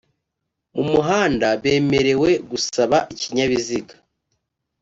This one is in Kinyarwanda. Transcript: mu muhanda bemerewe gusaba ikinyabiziga